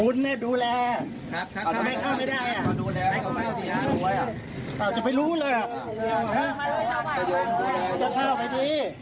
เฮ้ได้ต้องหยุด